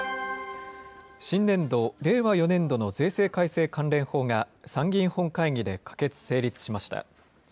新年度・令和４年度の税制改正関連法が、参議院本会議で可決・成立しました。